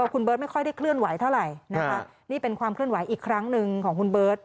คุณเบิร์ตไม่ค่อยได้เคลื่อนไหวเท่าไหร่นะคะนี่เป็นความเคลื่อนไหวอีกครั้งหนึ่งของคุณเบิร์ต